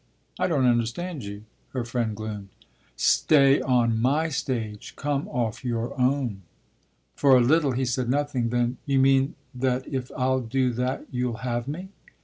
"I don't understand you," her friend gloomed. "Stay on my stage. Come off your own." For a little he said nothing; then: "You mean that if I'll do that you'll have me?"